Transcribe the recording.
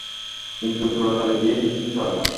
কিন্তু জোড়াতালি দিয়া বেশীদিন চলে না।